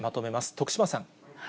徳島さん。